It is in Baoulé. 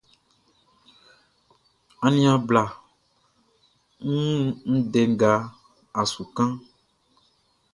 Aniaan bla, n wun ndɛ nga a su kanʼn.